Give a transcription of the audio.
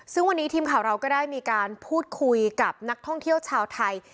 ซึ่งวันนี้ทีมข่าวเราก็ได้มีการพูดคุยกับนักท่องเที่ยวชาวไทย